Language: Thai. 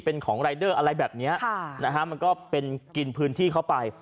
เป็นของรายเดอร์อะไรแบบนี้นะฮะมันก็เป็นกินพื้นที่เข้าไป